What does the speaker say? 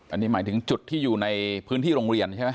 อันนี้หมายถึงจุดที่อยู่ในพื้นที่โรงเรียนใช่ไหม